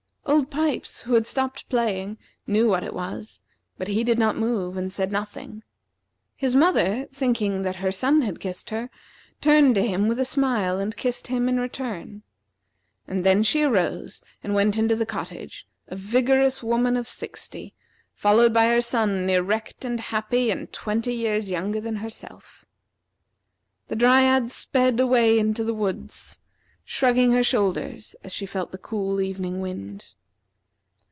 Old Pipes, who had stopped playing, knew what it was, but he did not move, and said nothing. His mother, thinking that her son had kissed her, turned to him with a smile and kissed him in return. And then she arose and went into the cottage, a vigorous woman of sixty, followed by her son, erect and happy, and twenty years younger than herself. The Dryad sped away to the woods, shrugging her shoulders as she felt the cool evening wind.